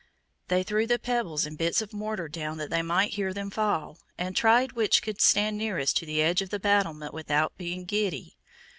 They threw the pebbles and bits of mortar down that they might hear them fall, and tried which could stand nearest to the edge of the battlement without being giddy.